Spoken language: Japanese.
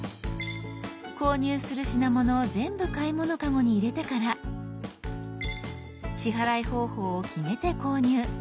購入する品物を全部買い物カゴに入れてから支払い方法を決めて購入。